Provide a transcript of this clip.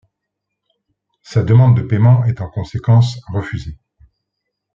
Sa demande de paiement est en conséquence refusée.